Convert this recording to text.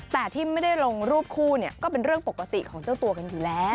แต่ที่ไม่ได้ลงรูปคู่เนี่ยก็เป็นเรื่องปกติของเจ้าตัวกันอยู่แล้ว